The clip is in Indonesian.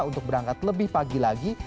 untuk berangkat lebih pagi lagi